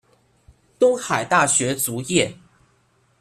东海大学卒业。